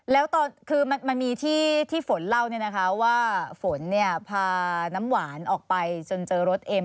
แล้วตอนคือมันมีที่ฝนเล่าเนี่ยนะคะว่าฝนพาน้ำหวานออกไปจนเจอรถเอ็ม